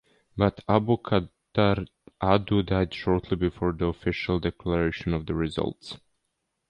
But Abubakar Audu died shortly before the official declaration of the results.